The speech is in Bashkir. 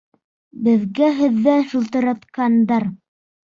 Беҙгә һеҙҙән шылтыратҡандар.